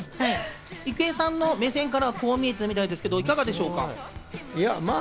郁恵さんの目線からこう見えてたみたいですけど、どうでしょうか？